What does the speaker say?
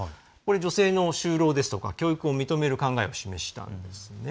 女性の就労や、教育を認める考えを示したんです。